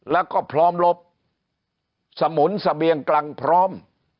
แล้วก็พร้อมลบสมุนเสบียงกรังพร้อม